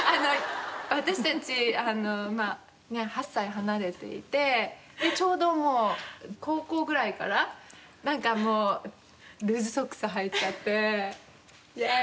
私たちあの８歳離れていてちょうどもう高校ぐらいからなんかもうルーズソックスはいちゃって「イエーイ！」